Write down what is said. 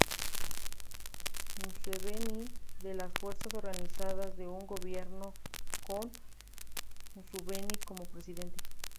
Museveni, de las fuerzas organizadas de un gobierno con Museveni como presidente.